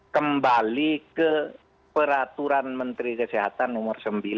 kembali ke peraturan menteri kesehatan nomor sembilan